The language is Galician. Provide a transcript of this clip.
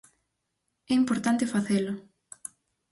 É importante facelo.